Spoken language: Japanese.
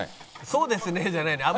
「そうですね」じゃないのよ